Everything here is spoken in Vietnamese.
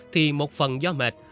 thì một phần do mệt